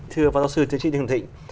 thưa phó giáo sư thịnh